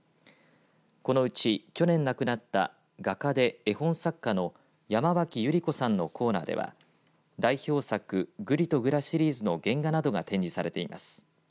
このうち去年亡くなった画家で絵本作家の山脇百合子さんのコーナーでは代表作ぐりとぐらシリーズの原画などが展示されています。